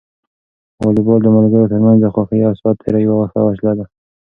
واليبال د ملګرو ترمنځ د خوښۍ او ساعت تېري یوه ښه وسیله ده.